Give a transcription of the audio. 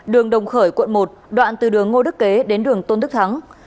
đường đồng khởi quận một đoạn từ đường ngô đức kế đến đường tôn đức thắng